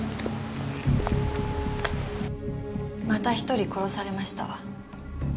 また１人殺されました。